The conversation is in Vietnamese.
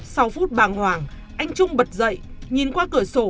sau phút bàng hoàng anh trung bật dậy nhìn qua cửa sổ